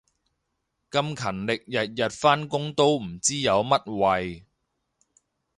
咁勤力日日返工都唔知有乜謂